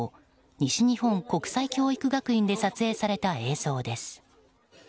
西日本国際教育学院で撮影された映像です。